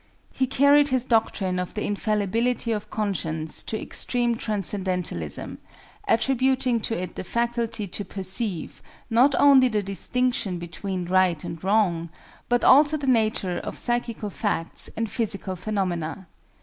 He carried his doctrine of the infallibility of conscience to extreme transcendentalism, attributing to it the faculty to perceive, not only the distinction between right and wrong, but also the nature of psychical facts and physical phenomena.